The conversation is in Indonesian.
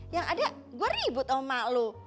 yang ada gue ribut sama emak lu